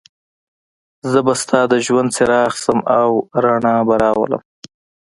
زه به ستا د ژوند څراغ شم او رڼا به راولم.